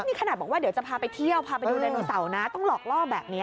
นี่ขนาดบอกว่าเดี๋ยวจะพาไปเที่ยวพาไปดูไดโนเสาร์นะต้องหลอกล่อแบบนี้